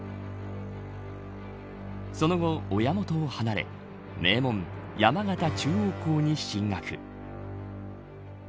その後、親元を離れ名門、山形中央高に進学。